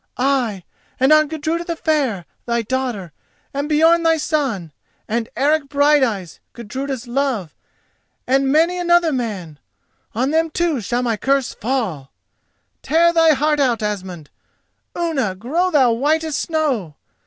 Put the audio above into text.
—ay, and on Gudruda the Fair, thy daughter, and Björn thy son, and Eric Brighteyes, Gudruda's love, and many another man—on them too shall my curse fall! Tear thy heart out, Asmund! Unna, grow thou white as snow!